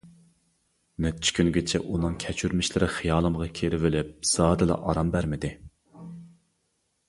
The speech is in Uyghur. نەچچە كۈنگىچە ئۇنىڭ كەچۈرمىشلىرى خىيالىمغا كىرىۋېلىپ زادىلا ئارام بەرمىدى.